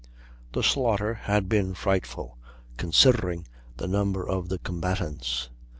The slaughter had been frightful, considering the number of the combatants.